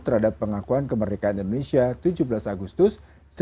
terhadap pengakuan kemerdekaan indonesia tujuh belas agustus seribu sembilan ratus empat puluh lima